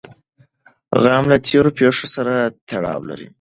غم له تېرو پېښو سره تړاو لري.